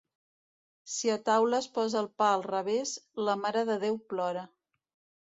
Si a taula es posa el pa al revés, la Mare de Déu plora.